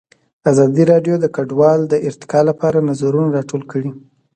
ازادي راډیو د کډوال د ارتقا لپاره نظرونه راټول کړي.